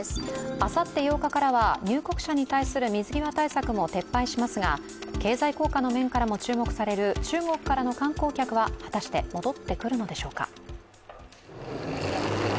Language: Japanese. あさって８日からは入国者に対する水際対策も撤廃しますが経済効果の面からも注目される中国からの観光客は果たして戻ってくるのでしょうか。